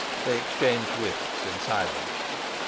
They exchanged whiffs in silence.